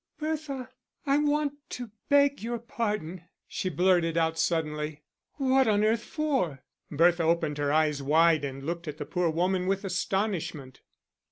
"Bertha, I want to beg your pardon," she blurted out suddenly. "What on earth for?" Bertha opened her eyes wide and looked at the poor woman with astonishment.